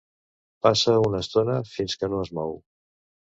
Passa una estona fins que no es mou.